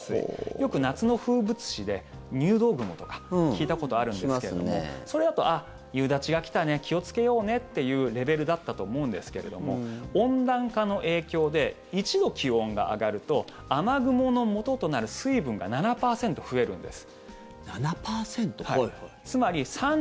よく夏の風物詩で入道雲とか聞いたことあるんですけどもそれだとあっ、夕立が来たね気をつけようねというレベルだったと思うんですけども温暖化の影響で１度気温が上がると雨雲のもととなる水分が７％増えるんです。